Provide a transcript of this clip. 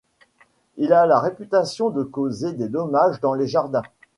Il a la réputation de causer des dommages dans les jardins.